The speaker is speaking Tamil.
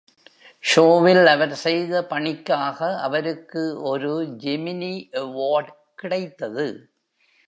ஷோவில் அவர் செய்த பணிக்காக அவருக்கு ஒரு ‘Gemini Award’ கிடைத்தது.